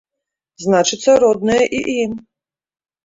Значыцца, роднае і ім!